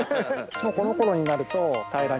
もうこの頃になると。